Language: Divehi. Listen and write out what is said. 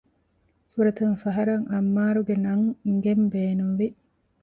ފުރަތަމަ ފަހަރަށް އައްމާރު ގެ ނަން އިނގެން ބޭނުންވި